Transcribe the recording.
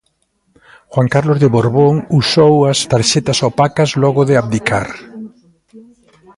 Juan Carlos de Borbón usou as tarxetas opacas logo de abdicar.